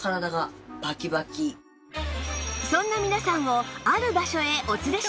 そんな皆さんをある場所へお連れしました